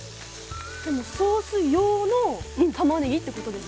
でもソース用のたまねぎってことですもんね。